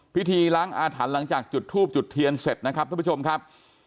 พิธีล้างอาถรรพ์หลังจากจุดทูบจุดเทียนเสร็จนะครับท่านผู้ชมครับ